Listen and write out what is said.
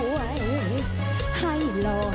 เตรียมพับกรอบ